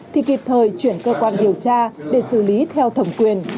thì kịp thời chuyển cơ quan điều tra để xử lý theo thẩm quyền